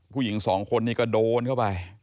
ผู้หญิงสองคนนี้ก็โดนเข้าไป